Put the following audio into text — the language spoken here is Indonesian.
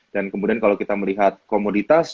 dan kemudian kalau kita melihat komoditas